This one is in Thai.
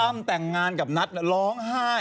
แต่งงานกับนัทร้องไห้